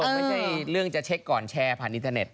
ไม่ใช่เรื่องจะเช็คก่อนแชร์ผ่านอินเทอร์เน็ต